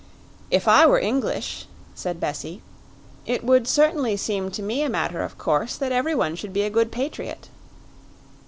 "If I were English," said Bessie, "it would certainly seem to me a matter of course that everyone should be a good patriot."